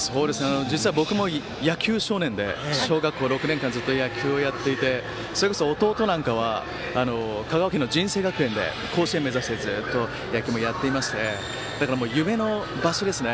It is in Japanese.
僕も野球少年で小学校６年間ずっと野球をやっていてそれこそ弟なんかは香川県の尽誠学園で甲子園を目指してずっと野球もやっていましてだから夢の場所ですね。